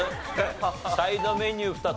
サイドメニュー２つ。